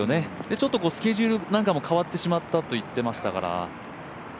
ちょっとスケジュールなんかも変わってしまったと言ってましたから。